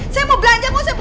saya mau belanja mau saya mau